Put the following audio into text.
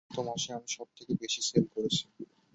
গত মাসে আমি সব থেকে বেশি সেল করেছি।